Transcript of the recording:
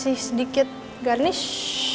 saya mau kasih sedikit garnish